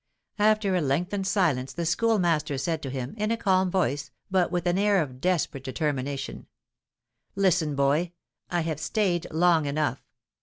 After a lengthened silence the Schoolmaster said to him, in a calm voice, but with an air of desperate determination: "Listen, boy. I have stayed long enough.